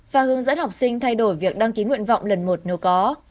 và hướng dẫn học sinh thay đổi việc đăng ký nguyện vọng lần một nếu có